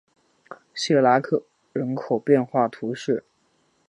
谢拉克人口变化图示